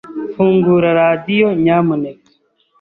Fungura radio, nyamuneka.